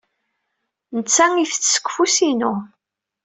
Netta ittett seg ufus-inu.